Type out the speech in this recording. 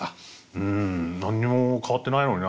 うん「何にも変わってないのにな